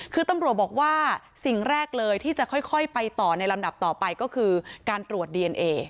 คือตำรวจบอกว่าสิ่งแรกเลยที่จะค่อยไปต่อในลำดับต่อไปก็คือการตรวจดีเอนเอ